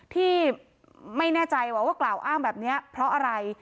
ที่ไม่แน่ใจว่ากล่าวอ้างแบบนี้เพราะอะไร